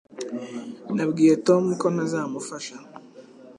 Nabwiye Tom ko ntazamufasha